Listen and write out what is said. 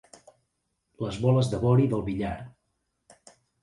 Les boles de vori del billar.